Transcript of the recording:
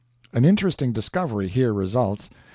An interesting discovery here results.